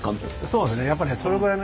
そうですね。